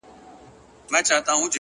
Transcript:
د زاړه فرش غږ د هر قدم یاد ساتي